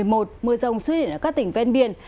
mưa rông xuất hiện ở các tỉnh ven biển